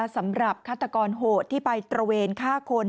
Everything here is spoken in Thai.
สำหรับฆาตกรโหดที่ไปตระเวนฆ่าคน